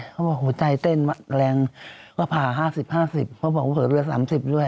เพราะว่าหัวใจเต้นมากแรงก็ผ่า๕๐๕๐เพราะบอกว่าเหลือ๓๐ด้วย